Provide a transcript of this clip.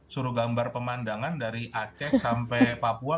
suruh gambar pemandangan dari aceh sampai papua